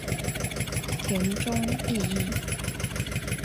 田中义一。